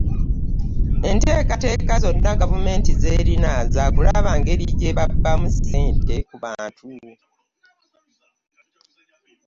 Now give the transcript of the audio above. Entegeka zonna gavumenti z'erina za kulaba ngeri gye babbamu ssente ku bantu